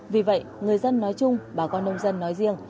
vì vậy người dân nói chung bà con nông dân nói riêng